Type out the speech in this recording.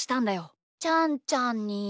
ちゃんちゃんに？